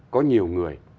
có nhiều người